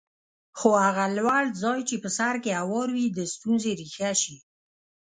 خو هغه لوړ ځای چې په سر کې هوار وي د ستونزې ریښه شي.